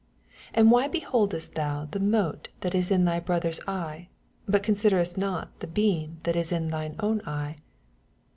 8 And why beholdestthou the mote that is in thy brother's eye, but con Biderest not the beam that is in thine own eye